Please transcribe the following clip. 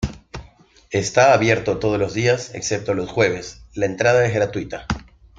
Está abierto todos los días excepto los jueves; la entrada es gratuita.